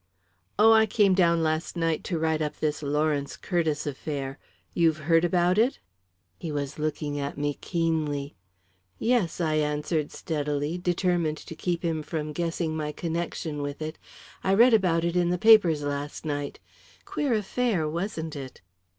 "Oh, I came down last night to write up this Lawrence Curtiss affair. You've heard about it?" He was looking at me keenly. "Yes," I answered steadily, determined to keep him from guessing my connection with it; "I read about it in the papers last night. Queer affair, wasn't it?"